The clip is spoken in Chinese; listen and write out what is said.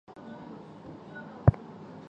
白团一名就来自他化名的姓氏。